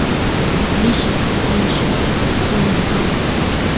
mishi sillun suni kan